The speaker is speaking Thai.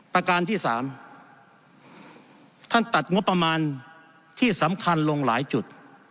ประการที่สามท่านตัดงบประมาณที่สำคัญลงหลายจุด